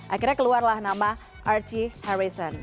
akhirnya keluarlah nama r t harrison